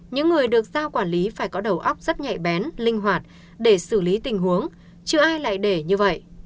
những người được giao quản lý phải có đầu óc rất nhạy bén linh hoạt để xử lý tình huống chứ ai lại để như vậy